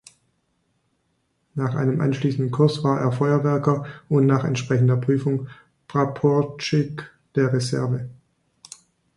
Nach einem anschließenden Kurs war er Feuerwerker und nach entsprechender Prüfung Praporschtschik der Reserve.